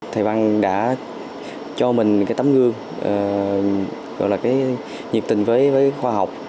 thầy văn đã cho mình cái tấm gương gọi là cái nhiệt tình với khoa học